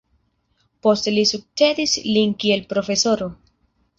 Poste li sukcedis lin kiel profesoro.